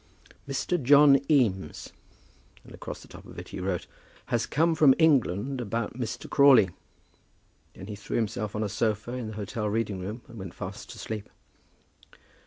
"Mr. John Eames," and across the top of it he wrote, "has come from England about Mr. Crawley." Then he threw himself on to a sofa in the hotel reading room, and went fast to sleep.